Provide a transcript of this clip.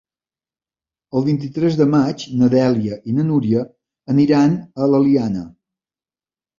El vint-i-tres de maig na Dèlia i na Núria aniran a l'Eliana.